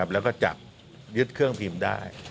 แล้วก็จับยึดเครื่องพิมพ์ได้